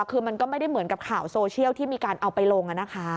คือมันก็ไม่ได้เหมือนกับข่าวโซเชียลที่มีการเอาไปลง